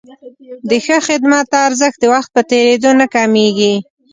د ښه خدمت ارزښت د وخت په تېرېدو نه کمېږي.